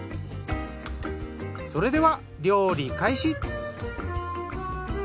それでは料理開始。